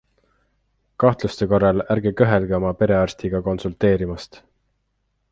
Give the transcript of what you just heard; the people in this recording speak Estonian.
Kahtluste korral ärge kõhelge oma perearstiga konsulteerimast.